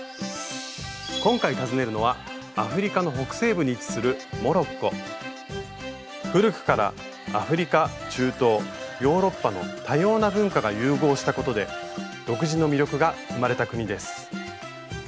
今回訪ねるのはアフリカの北西部に位置する古くからアフリカ中東ヨーロッパの多様な文化が融合したことで独自の魅力が生まれた国です。